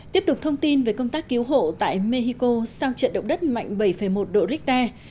tiếp tục thông tin về công tác cứu hộ tại mexico sau trận động đất mạnh bảy một độ richter